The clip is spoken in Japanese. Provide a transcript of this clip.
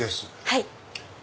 はい。